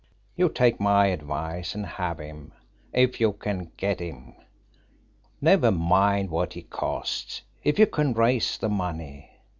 "You take my advice and have him if you can get him. Never mind what he costs, if you can raise the money.